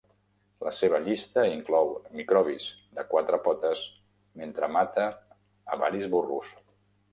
La seva llista inclou "microbis" de quatre potes mentre mata a varis burros.